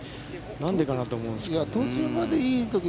何でかなと思うんですけど。